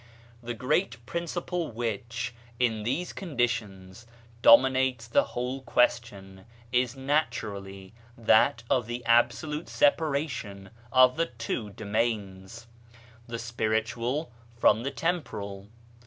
The great principle which, in these conditions, dominates the whole question is natur ally that of the absolute separation of the two domains — the spiritual from the temporal.